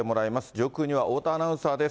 上空には大田アナウンサーです。